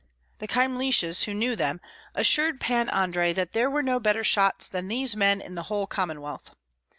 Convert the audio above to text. The Kyemliches, who knew them, assured Pan Andrei that there were no better shots than these men in the whole Commonwealth.